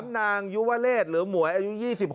นางยุวเลศหรือหมวยอายุ๒๖